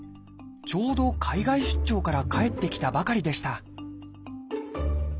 ちょうど海外出張から帰ってきたばかりでした